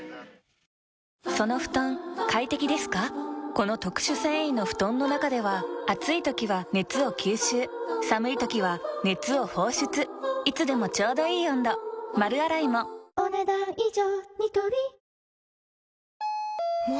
この特殊繊維の布団の中では暑い時は熱を吸収寒い時は熱を放出いつでもちょうどいい温度丸洗いもお、ねだん以上。